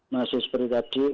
masih seperti tadi